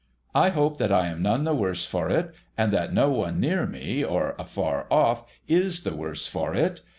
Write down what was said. I hope that I am none the worse for it, and that no one near me or afar off is the worse for it.